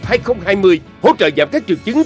hỗ trợ giảm các triệu chứng